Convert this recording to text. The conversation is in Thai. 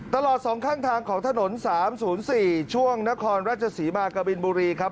ตลอด๒ข้างทางของถนน๓๐๔ช่วงนครราชศรีมากะบินบุรีครับ